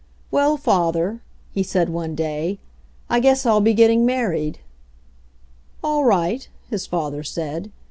"Well, father," he said one day, "I guess I'll be getting married." "All right," his father said.